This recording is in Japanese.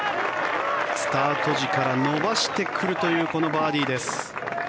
スタート時から伸ばしてくるというこのバーディーです。